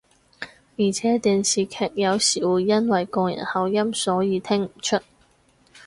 而且電視劇有時會因為個人口音所以聽唔出